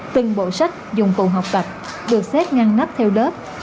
từng bộ sách dùng cụ học tập được xếp ngăn nắp theo đớp